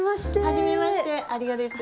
はじめまして有賀です。